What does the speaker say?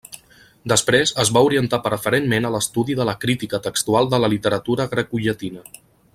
Després es va orientar preferentment a l'estudi de la crítica textual de la literatura grecollatina.